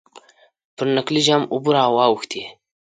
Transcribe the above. پر نکلي جام اوبه را واوښتې.